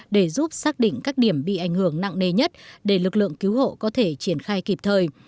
để giúp xác định các điểm bị ảnh hưởng nặng nề nhất để lực lượng cứu hộ có thể triển khai kịp thời